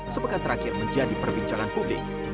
sepekan terakhir menjadi perbincangan publik